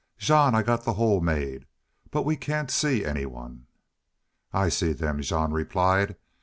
"Jean, I got the hole made, but we can't see anyone." "I see them," Jean replied.